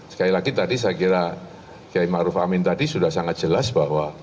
sebagai lagi tadi saya kira kiai ma'ruf amin tadi sudah sangat jelas bahwa